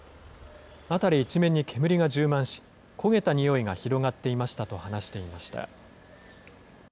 辺り一面に煙が充満し、焦げた臭いが広がっていましたと話していました。